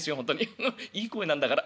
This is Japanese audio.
フフッいい声なんだから。